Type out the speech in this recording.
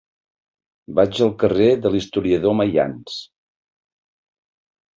Vaig al carrer de l'Historiador Maians.